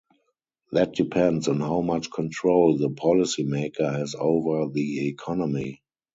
That depends on how much control the policy maker has over the economy.